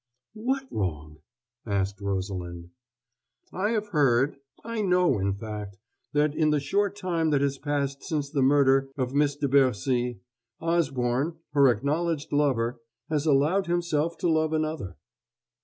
"What wrong?" asked Rosalind. "I have heard I know, in fact that in the short time that has passed since the murder of Miss de Bercy, Osborne, her acknowledged lover, has allowed himself to love another."